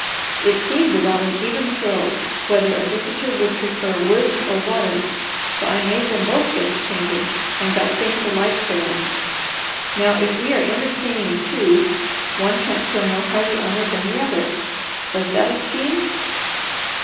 It seemed about an even throw whether a visitor would prefer woods or water, so I made them both guest chambers, and got things alike for them. Now if we are entertaining two, one can't feel more highly honoured than the other. Was that a scheme?"